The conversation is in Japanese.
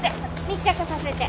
密着させて。